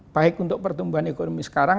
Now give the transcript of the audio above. baik untuk pertumbuhan ekonomi sekarang